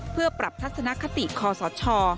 เพื่อปรับทัศนคติคอสช